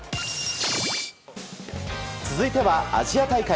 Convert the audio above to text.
続いてはアジア大会。